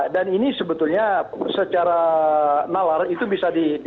dan ini sebetulnya secara nawar itu bisa dihiasi